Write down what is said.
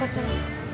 kasih piti sudah